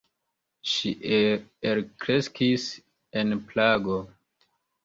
Ŝi elkreskis en Prago.